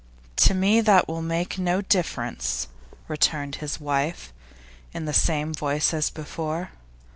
'To me that will make no difference,' returned his wife, in the same voice as before.